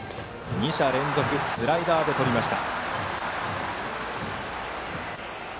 ２者連続スライダーでとりました。